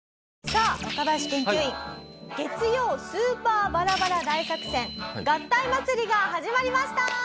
さあ若林研究員月曜スーパーバラバラ大作戦合体祭りが始まりました！